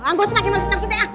gak usah lagi masuk maksudnya